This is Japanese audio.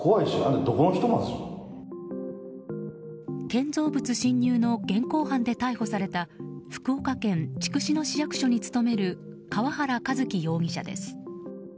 建造物侵入の現行犯で逮捕された福岡県筑紫野市役所に勤める川原一起容疑者です。